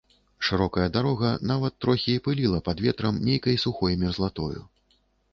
Шырокая дарога нават трохі і пыліла пад ветрам нейкай сухой мерзлатою.